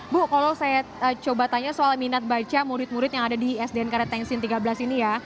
bu kalau saya coba tanya soal minat baca murid murid yang ada di sdn karet tengsin tiga belas ini ya